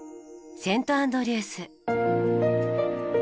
セント・アンドリュース。